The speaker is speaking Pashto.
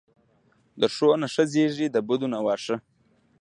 دښو نه ښه زیږیږي، د بدونه واښه.